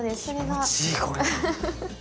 気持ちいいこれ。